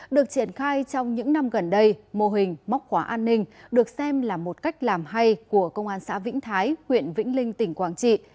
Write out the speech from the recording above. được triển khai trong những năm gần đây mô hình móc khóa an ninh được xem là một cách làm hay của công an xã vĩnh thái huyện vĩnh linh tỉnh quảng trị